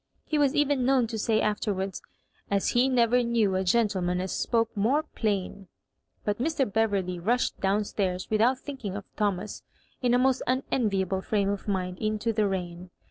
He was even known to say afterwards, "As he never knew a gentleman as spoke more plain." But Mr. Bever ley rushed down stairs, without thinking of Tho mas, in a most unenviable fhime of mind, into the rain.